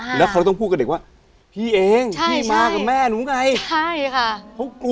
อ่าแล้วเขาต้องพูดกับเด็กว่าพี่เองใช่พี่มากับแม่หนูไงใช่ค่ะ